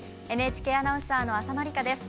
ＮＨＫアナウンサーの浅野里香です。